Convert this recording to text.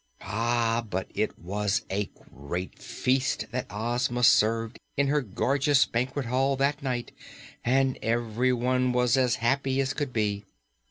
Ah, but it was a great feast that Ozma served in her gorgeous banquet hall that night and everyone was as happy as could be.